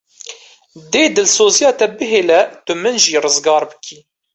Dê dilzosiya te bihêle tu min jî rizgar bikî.